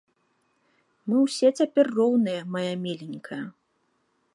Мы ўсе цяпер роўныя, мая міленькая.